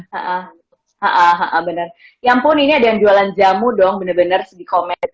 ha ha ha ha benar ya ampun ini ada yang jualan jamu dong bener bener di komen